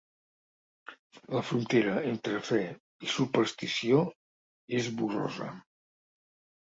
La frontera entre fe i superstició és borrosa.